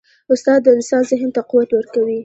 استاد د انسان ذهن ته قوت ورکوي.